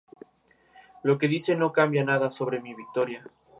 Esta vez, el equipo somalí enfrentaba a Yibuti.